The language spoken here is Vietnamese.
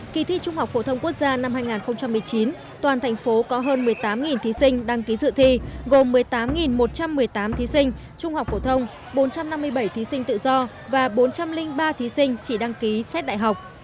kỳ thi trung học phổ thông quốc gia năm hai nghìn một mươi chín toàn thành phố có hơn một mươi tám thí sinh đăng ký dự thi gồm một mươi tám một trăm một mươi tám thí sinh trung học phổ thông bốn trăm năm mươi bảy thí sinh tự do và bốn trăm linh ba thí sinh chỉ đăng ký xét đại học